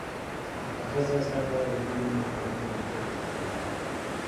که ښځه زده کړه ولري، نو د کورنۍ پرمختګ یقیني دی.